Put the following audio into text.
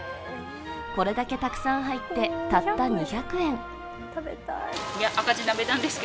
これだけたくさん入ってたった２００円。